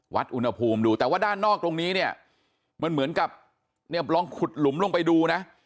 วัดอุณหภูมิดูแต่ว่าด้านนอกตรงนี้เนี่ยมันเหมือนกับเนี่ยลองขุดหลุมลงไปดูนะ